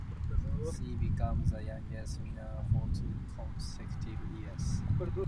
She became the youngest winner for two consecutive years.